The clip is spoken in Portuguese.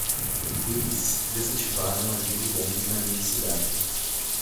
Eles desativaram a linha de bonde na minha cidade.